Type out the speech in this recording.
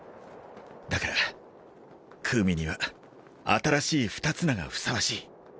だからクウミには新しい二つ名がふさわしい。